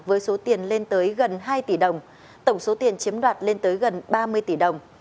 với số tiền lên tới gần hai tỷ đồng tổng số tiền chiếm đoạt lên tới gần ba mươi tỷ đồng